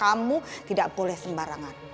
kamu tidak boleh sembarangan